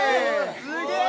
すげえ。